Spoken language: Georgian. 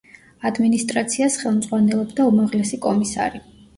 ადმინისტრაციას ხელმძღვანელობდა უმაღლესი კომისარი.